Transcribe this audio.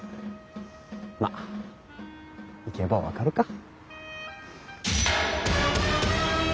まっ行けば分かるか！